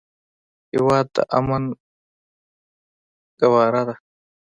هېواد د امن ګهواره ده.